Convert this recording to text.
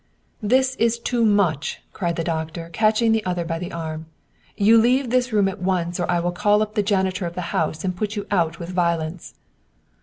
" This is too much !" cried the doctor, catching the other by the arm. " You leave this room at once or I will call up the janitor of the house to put you out with violence."